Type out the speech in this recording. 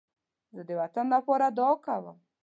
زه د وطن لپاره دعا کوم